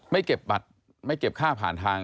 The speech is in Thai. ไม่เก็บบัตรไม่เก็บค่าผ่านทาง